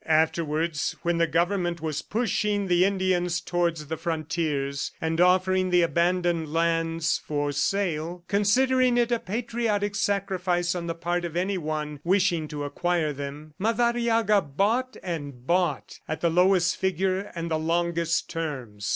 Afterwards, when the government was pushing the Indians towards the frontiers, and offering the abandoned lands for sale, considering it a patriotic sacrifice on the part of any one wishing to acquire them, Madariaga bought and bought at the lowest figure and longest terms.